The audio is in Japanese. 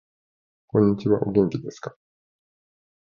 こんにちはお元気ですか